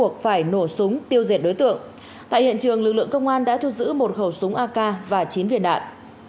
tại hiện trường lực lượng công an đã thu giữ một khẩu súng ak và chín viện đạn